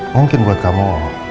mungkin buat kamu